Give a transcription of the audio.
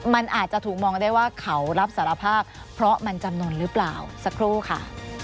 มันอาจจะถูกมองได้ว่าเขารับสารภาพเพราะมันจำนวนหรือเปล่าสักครู่ค่ะ